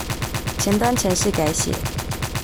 前端程式改寫